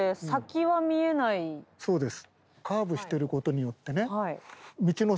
そうです。